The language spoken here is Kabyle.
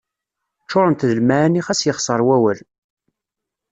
Ččurent d lemɛani xas yexseṛ wawal.